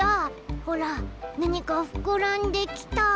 ほらなにかふくらんできた！